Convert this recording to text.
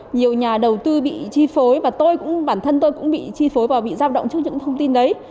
nhiều nhà đầu tư bị chi phối và tôi cũng bản thân tôi cũng bị chi phối và bị giao động trước những thông tin đấy